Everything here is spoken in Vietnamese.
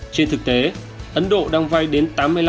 trên thực tế ấn độ đang vay đến tám mươi năm